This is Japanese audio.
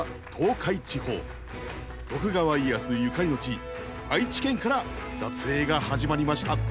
徳川家康ゆかりの地愛知県から撮影が始まりました。